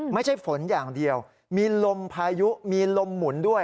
ไม่ใช่ฝนอย่างเดียวมีลมพายุมีลมหมุนด้วย